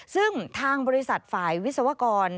ซึ่งทางบริษัทฝ่ายวิศวกร